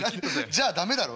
じゃあ駄目だろ。